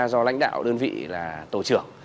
do lãnh đạo đơn vị là tổ trưởng